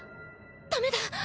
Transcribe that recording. ダメだ。